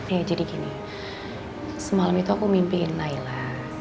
ya jadi gini semalam itu aku mimpiin naila